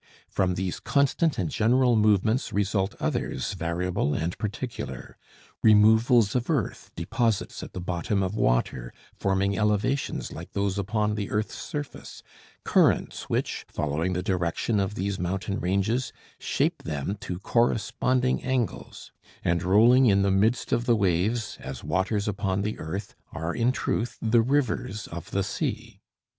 From these constant and general movements result others variable and particular: removals of earth, deposits at the bottom of water forming elevations like those upon the earth's surface, currents which, following the direction of these mountain ranges, shape them to corresponding angles; and rolling in the midst of the waves, as waters upon the earth, are in truth the rivers of the sea.